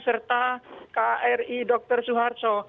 serta kri dr suharto